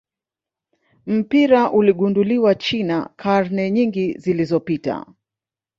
mpira uligunduliwa China karne nyingi zilizopita